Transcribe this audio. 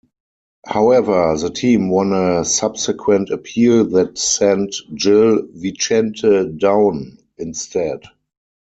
However, the team won a subsequent appeal that sent Gil Vicente down instead.